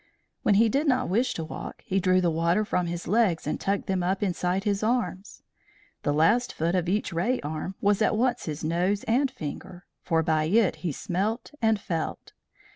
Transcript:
When he did not wish to walk he drew the water from his legs and tucked them up inside his arms. The last foot of each ray arm was at once his nose and finger, for by it he smelt and felt.